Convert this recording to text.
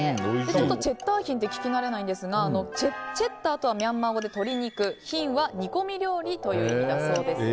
ちょっとチェッターヒンって聞き慣れないんですがチェッターとはミャンマー語で鶏肉ヒンは煮込み料理という意味だそうです。